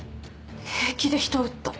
平気で人を撃った。